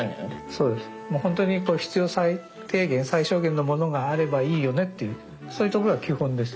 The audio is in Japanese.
もうほんとに必要最低限最小限のものがあればいいよねっていうそういうところが基本です。